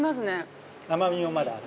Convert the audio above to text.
甘みもまだある。